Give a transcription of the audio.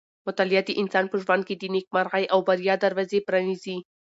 مطالعه د انسان په ژوند کې د نېکمرغۍ او بریا دروازې پرانیزي.